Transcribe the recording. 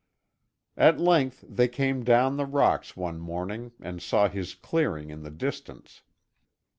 At length they came down the rocks one morning and saw his clearing in the distance.